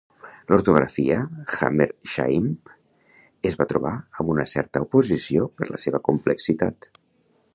L'ortografia Hammershaimb es va trobar amb una certa oposició per la seva complexitat.